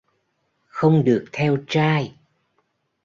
Không được theo trai